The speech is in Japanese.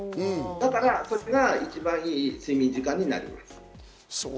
だから、それが一番良い睡眠時間になります。